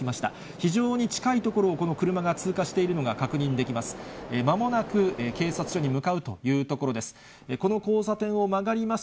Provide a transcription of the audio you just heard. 非常に近い所を、この車が通過しているのが確認できます。